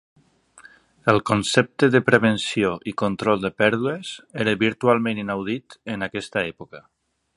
El concepte de prevenció i control de pèrdues era virtualment inaudit en aquesta època.